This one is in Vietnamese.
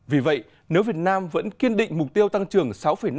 vì vậy nếu việt nam vẫn kiên định mục tiêu tăng trưởng sáu năm